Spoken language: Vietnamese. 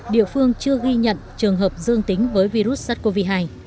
địa phương chưa ghi nhận trường hợp dương tính với virus sars cov hai